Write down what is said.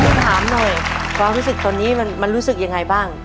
ถามหน่อยความรู้สึกตอนนี้มันรู้สึกยังไงบ้าง